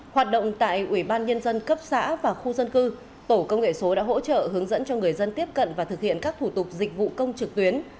hoạt động tại ủy ban nhân dân cấp xã và khu dân cư tổ công nghệ số đã hỗ trợ hướng dẫn cho người dân tiếp cận và thực hiện các thủ tục dịch vụ công trực tuyến